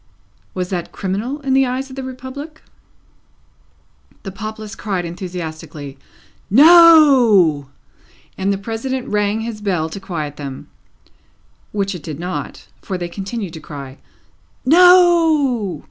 Was that criminal in the eyes of the Republic? The populace cried enthusiastically, "No!" and the President rang his bell to quiet them. Which it did not, for they continued to cry "No!"